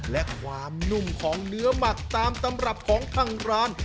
และความนุ่มของเนื้อหมักตามตำรับของทางร้าน